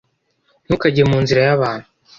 Ntukajye mu nzira yabantu